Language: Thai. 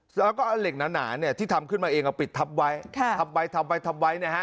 แล้วก็เอาเหล็กหนาเนี่ยที่ทำขึ้นมาเองเอาปิดทับไว้ทำไปทำไปทำไว้นะฮะ